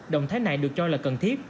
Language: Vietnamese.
động thái này được cho là cần thiết